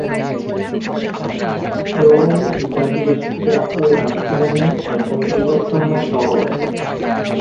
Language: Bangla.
রোম ইতালির জাতীয় রাজধানী এবং বৃহত্তম শহর।